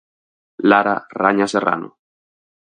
Lara Raña Serrano.